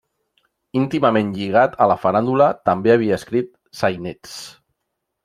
Íntimament lligat a la faràndula, també havia escrit sainets.